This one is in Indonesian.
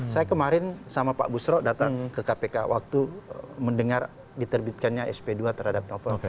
saya kemarin sama pak busro datang ke kpk waktu mendengar diterbitkannya sp dua terhadap novel